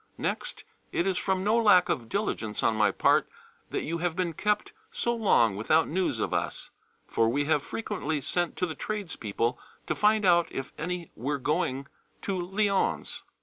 Next, it is from no lack of diligence on my part that you have been kept so long without news of us, for we have frequently sent to the trades people to find out if any were going to Lyons.